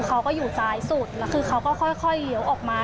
เขาก็อยู่ซ้ายสุดแล้วคือเขาก็ค่อยเลี้ยวออกมา